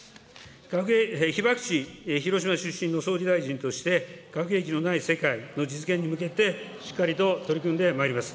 被爆地、広島出身の総理大臣として、核兵器のない世界の実現に向けて、しっかりと取り組んでまいります。